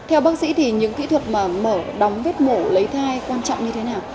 theo bác sĩ thì những kỹ thuật mà mở đóng vết mổ lấy thai quan trọng như thế nào